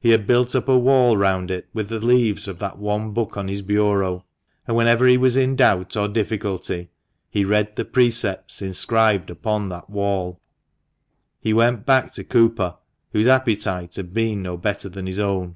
He had built up a wall round it with the leaves of that one book on his bureau ; and whenever he was in doubt or difficulty, he read the precepts inscribed upon that wall. He went back to Cooper, whose appetite had been no better than his own.